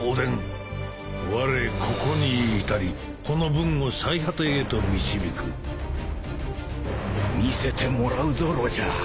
「われここに至りこの文を最果てへと導く」［見せてもらうぞロジャー］